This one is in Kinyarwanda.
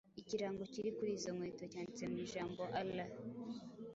ikirango kiri kuri izo nkweto cyanditse mu ijambo Allah